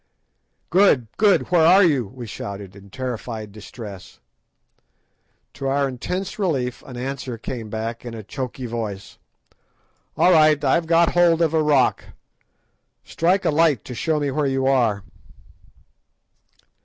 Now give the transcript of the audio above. "Good! Good! where are you?" we shouted, in terrified distress. To our intense relief an answer came back in a choky voice. "All right; I've got hold of a rock. Strike a light to show me where you are."